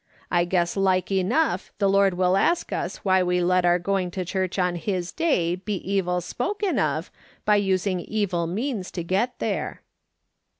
I guess like enough the Lord will ask us why we let our going to church on his day be evil spoken of, by using evil means to get there."